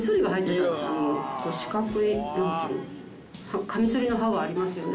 四角いなんていうカミソリの刃がありますよね。